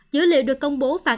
dữ liệu được công bố phản ứng